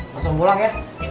masuk pulang ya